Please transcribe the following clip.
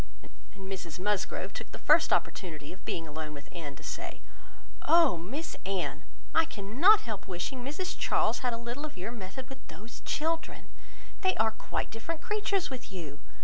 And Mrs Musgrove took the first opportunity of being alone with Anne, to say, "Oh! Miss Anne, I cannot help wishing Mrs Charles had a little of your method with those children. They are quite different creatures with you!